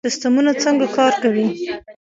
سیستمونه څنګه کار کوي؟